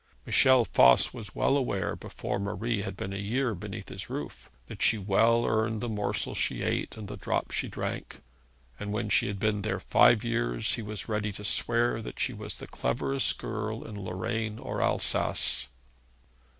Michel Voss was well aware before Marie had been a year beneath his roof that she well earned the morsel she ate and the drop she drank; and when she had been there five years he was ready to swear that she was the cleverest girl in Lorraine or Alsace.